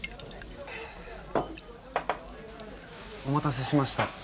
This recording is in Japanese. お待たせしました。